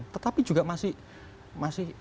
tetapi juga masih